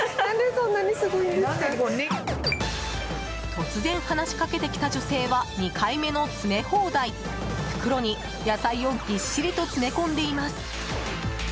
突然、話しかけてきた女性は２回目の詰め放題袋に野菜をぎっしりと詰め込んでいます。